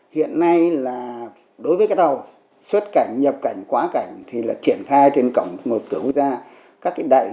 hiện nay là đối với các tàu xuất cảnh nhập cảnh quá cảnh thì là triển khai trên cổng một cửa quốc gia